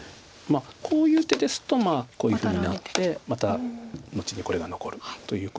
こういう手ですとこういうふうになってまた後にこれが残るということで。